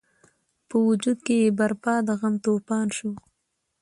په وجود کې یې برپا د غم توپان شو.